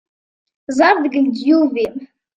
Ẓer deg leǧyub-im!